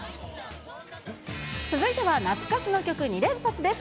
続いては、懐かしの曲、２連発です。